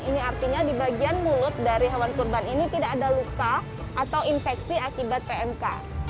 ini artinya di bagian mulut dari hewan kurban ini tidak ada luka atau infeksi akibat pmk